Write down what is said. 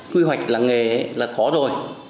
quy hoạch là nghề là có rồi